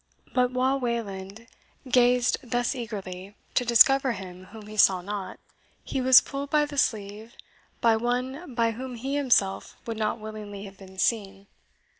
But while Wayland gazed thus eagerly to discover him whom he saw not, he was pulled by the sleeve by one by whom he himself would not willingly have been seen.